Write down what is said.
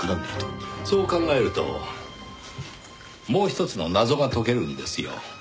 そう考えるともうひとつの謎が解けるんですよ。